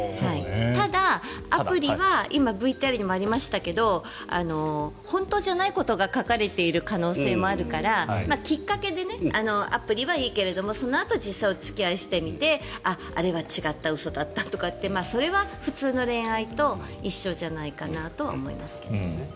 ただ、アプリは今ＶＴＲにもありましたけど本当じゃないことが書かれている可能性もあるからきっかけでアプリはいいけれどもそのあと実際にお付き合いしてみてあれは違った、嘘だったとかってそれは普通の恋愛と一緒じゃないかなとは思いますけどね。